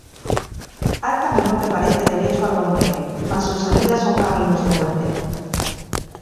Hay camino que parece derecho al hombre, Mas su salida son caminos de muerte.